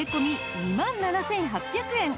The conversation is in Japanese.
２万７８００円